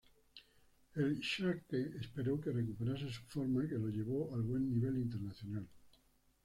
El Schalke esperó que recuperase su forma que lo llevó al buen nivel internacional.